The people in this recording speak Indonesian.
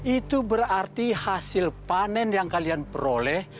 itu berarti hasil panen yang kalian peroleh